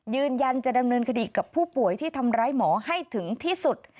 ยืนยันจะดำเนินคดีกับผู้ป่วยที่ทำร้ายหมอให้ถึงที่สุด